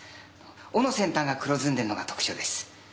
尾の先端が黒ずんでるのが特徴です。